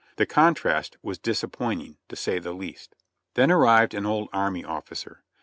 The contrast was disappcJinting, to say the least. Then arrived an old army officer.